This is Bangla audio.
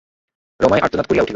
রমাই আর্তনাদ করিয়া উঠিল।